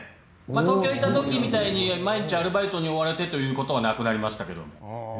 東京にいた時みたいに毎日アルバイトに追われてという事はなくなりましたけども。